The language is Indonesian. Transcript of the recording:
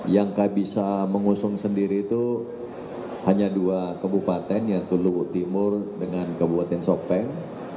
yang bisa mengusung sendiri itu hanya dua kebupaten yaitu luhut timur dengan kabupaten sopeng